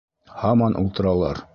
Һаман ултыралар.